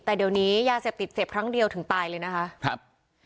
แต่เดี๋ยวนี้ยาเสพติดเสพครั้งเดียวถึงตายเลยนะคะครับ